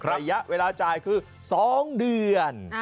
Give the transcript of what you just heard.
ระยะเวลาจ่ายคือ๒เดือน